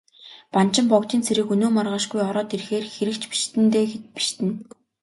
Банчин богдын цэрэг өнөө маргаашгүй ороод ирэхээр хэрэг ч бишиднэ дээ, бишиднэ.